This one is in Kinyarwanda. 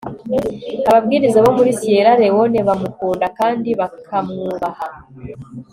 ababwiriza bo muri siyera lewone bamukunda kandi bakamwubaha